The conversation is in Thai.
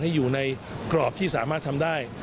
ให้อยู่ในกรอบที่สามารถทำได้